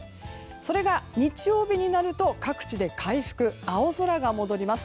それが日曜日になると各地で回復青空が戻ります。